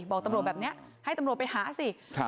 บอกตำรวจแบบนี้ให้ตำรวจไปหาสิ